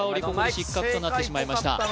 ここで失格となってしまいました